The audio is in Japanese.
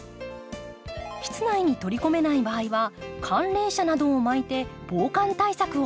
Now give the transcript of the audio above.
室内に取り込めない場合は寒冷紗などを巻いて防寒対策を。